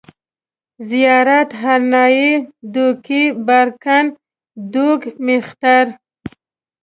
زيارت، هرنايي، دوکۍ، بارکن، دوگ، مېختر